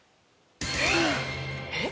えっ！？